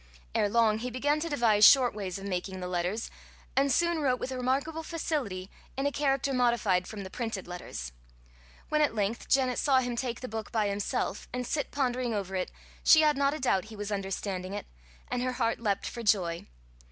Ere long he began to devise short ways of making the letters, and soon wrote with remarkable facility in a character modified from the printed letters. When at length Janet saw him take the book by himself, and sit pondering over it, she had not a doubt he was understanding it, and her heart leapt for joy.